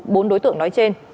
bốn đối tượng nói trên